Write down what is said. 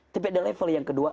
tapi ada level yang kedua